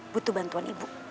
butuh bantuan ibu